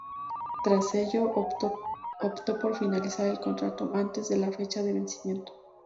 Tras ello, optó por finalizar el contrato antes de la fecha de vencimiento.